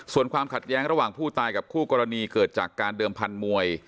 ส่วนความขัดแย้งระหว่างผู้ตายกับคู่กรณีเกิดจากการเดิมพันธุ์มวย